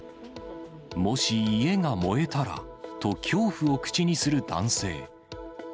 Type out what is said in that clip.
もし家が燃えたらと、恐怖を口にする男性。